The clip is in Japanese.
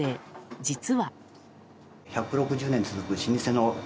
実は。